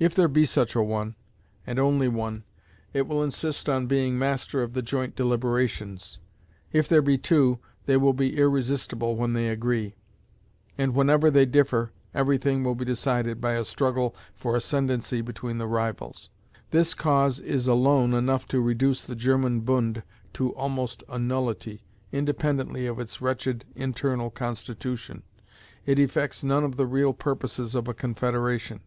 If there be such a one, and only one, it will insist on being master of the joint deliberations; if there be two, they will be irresistible when they agree; and whenever they differ, every thing will be decided by a struggle for ascendancy between the rivals. This cause is alone enough to reduce the German Bund to almost a nullity, independently of its wretched internal constitution. It effects none of the real purposes of a confederation.